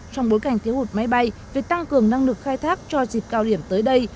trong bối cảnh thiếu hụt máy bay việc tăng cường năng lực khai thác cho dịp cao điểm tới đây